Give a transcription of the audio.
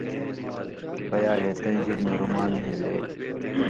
پیالے تَیں جبہۡ نہ رُمال نھېلے